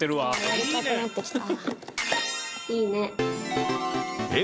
やりたくなってきた。